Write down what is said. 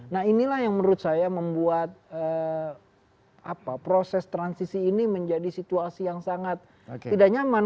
nah inilah yang menurut saya membuat proses transisi ini menjadi situasi yang sangat tidak nyaman